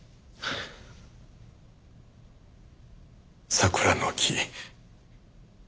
桜の木。